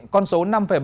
con số năm bảy